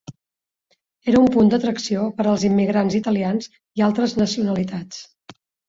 Era un punt d'atracció per als immigrants italians i altres nacionalitats.